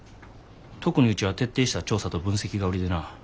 特にうちは徹底した調査と分析が売りでな。